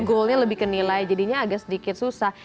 goalnya lebih kenilai jadinya agak sedikit susah